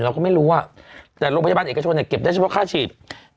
เราก็ไม่รู้แต่โรงพยาบาลเอกชนเก็บได้เฉพาะค่าฉีด